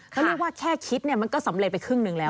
เขาเรียกว่าแค่คิดเนี่ยมันก็สำเร็จไปครึ่งหนึ่งแล้ว